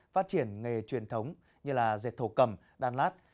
phát triển nghề truyền thống như dệt thổ cầm đan lát